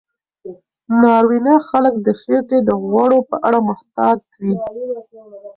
ناروینه خلک د خېټې د غوړو په اړه محتاط وي.